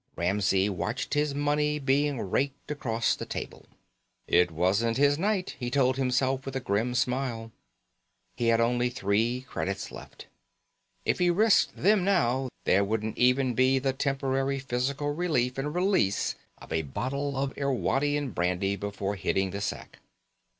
Ramsey watched his money being raked across the table. It wasn't his night, he told himself with a grim smile. He had only three credits left. If he risked them now, there wouldn't even be the temporary physical relief and release of a bottle of Irwadian brandy before hitting the sack.